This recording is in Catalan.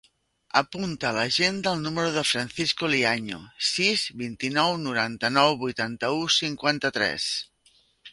Apunta a l'agenda el número del Francisco Liaño: sis, vint-i-nou, noranta-nou, vuitanta-u, cinquanta-tres.